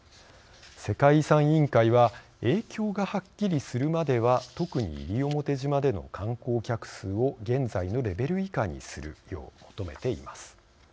世界遺産委員会は影響がはっきりするまでは特に西表島での観光客数を現在のレベル以下にするよう求めています。